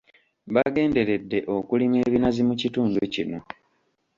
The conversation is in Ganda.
Bagenderedde okulima ebinazi mu kitundu kino.